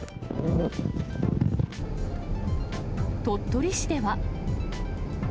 鳥取市では。